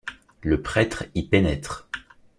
Le prêtre y pénètre.